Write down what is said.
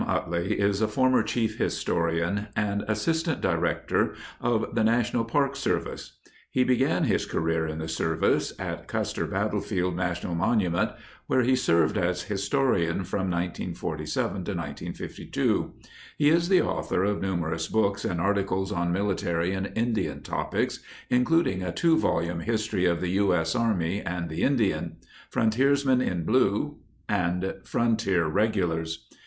Utley is a former Chief Historian and Assistant Director of the National Park Service. He began his career in the Service at Custer Battlefield National Monument, where he served as historian from 1947 52. He is the author of numerous books and articles on military and Indian topics, including a two volume history of the U.S. Army and the In dian, Frontiersmen in Blue and Frontier Regulars.